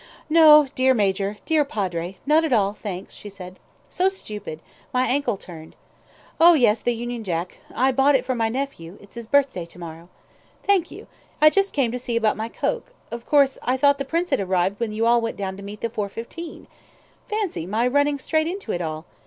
"No, dear Major, dear Padre, not at all, thanks," she said. "So stupid: my ankle turned. Oh, yes, the Union Jack I bought for my nephew, it's his birthday to morrow. Thank you. I just came to see about my coke: of course I thought the Prince had arrived when you all went down to meet the 4.15. Fancy my running straight into it all!